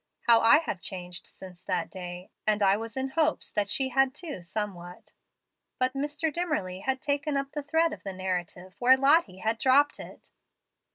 How I have changed since that day! and I was in hopes that she had, too, somewhat." But Mr. Dimmerly had taken up the thread of the narrative where Lottie had dropped it.